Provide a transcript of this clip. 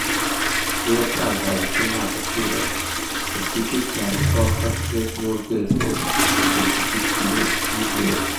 we yatangaje ko “nta gaciro ufite” cyane ko wafashwe n’urwego rutagifitiwe icyizere